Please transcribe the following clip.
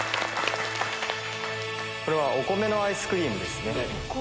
これはお米のアイスクリームですね。